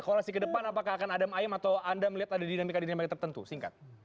kalau masih kedepan apakah akan ada mayem atau anda melihat ada dinamika dinamika tertentu singkat